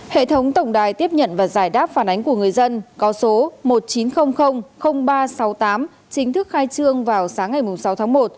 hệ thống tổng đài tiếp nhận và giải đáp phản ánh của người dân có số một nghìn chín trăm linh ba trăm sáu mươi tám chính thức khai trương vào sáng ngày sáu tháng một